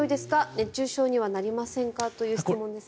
熱中症にはなりませんか？という質問ですが。